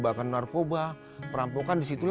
oke saya promosi dulu